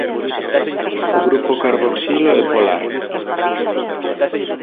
O grupo carboxilo é polar.